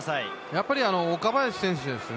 やっぱり岡林選手です。